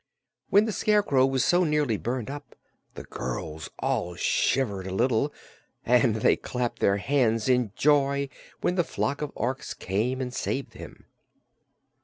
When the Scarecrow was so nearly burned up the girls all shivered a little, and they clapped their hands in joy when the flock of Orks came and saved him.